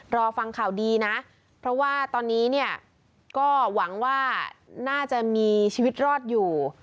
รอฟังข่าวดีนะเพราะว่าตอนนี้เนี่ยก็หวังว่าน่าจะมีชีวิตรอดอยู่